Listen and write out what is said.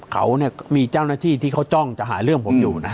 เขาเนี่ยมีเจ้าหน้าที่ที่เขาจ้องจะหาเรื่องผมอยู่นะ